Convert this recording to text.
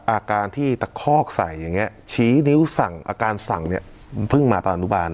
อาการที่ตะคอกใส่อย่างนี้ชี้นิ้วสั่งอาการสั่งเนี่ยเพิ่งมาตอนอนุบาล